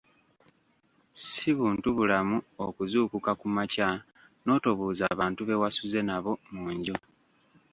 Si buntubulamu okuzuukuka ku makya n’otobuuza bantu bewasuze nabo mu nju.